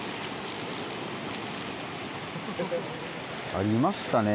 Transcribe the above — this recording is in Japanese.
ありましたね。